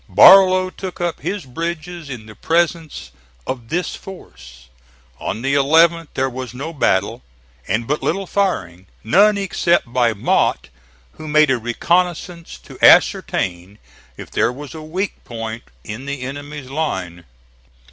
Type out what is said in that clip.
Barlow took up his bridges in the presence of this force. On the 11th there was no battle and but little firing; none except by Mott who made a reconnoissance to ascertain if there was a weak point in the enemy's line.